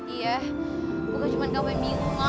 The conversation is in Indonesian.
iya bukan cuma kamu yang bingung nak